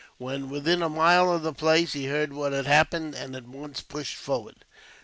When within a mile of the place, he heard what had happened, and at once pushed forward.